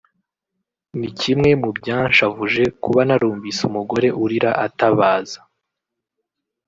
ni kimwe mu byanshavuje kuba narumvise umugore urira atabaza